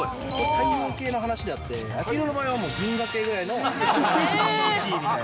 太陽系の話であって、秋広の場合は銀河系の地位みたいな。